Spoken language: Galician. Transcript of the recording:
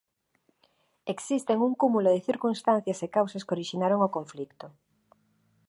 Existen un cúmulo de circunstancias e causas que orixinaron o conflito.